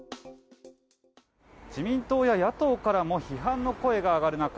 自民党や野党からも批判の声が上がる中